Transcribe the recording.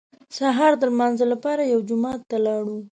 سهار د لمانځه لپاره یو جومات ته لاړو.